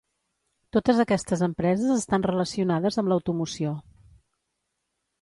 Totes aquestes empreses estan relacionades amb l'automoció.